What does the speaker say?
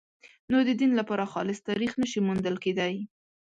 نو د دین لپاره خالص تاریخ نه شي موندل کېدای.